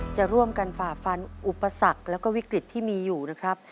จะร่วมกันฝ่าฟันอุปสรรคแล้วก็วิกฤตที่มีอยู่นะครับ